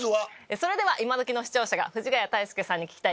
それでは今どきの視聴者が藤ヶ谷太輔さんに聞きたい